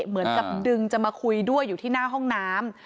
เหมือนกับดึงจะมาคุยด้วยอยู่ที่หน้าห้องน้ำ